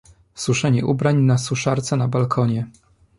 Suszenie ubrań na suszarce na balkonie.